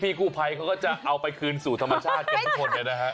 กู้ภัยเขาก็จะเอาไปคืนสู่ธรรมชาติกันทุกคนเลยนะฮะ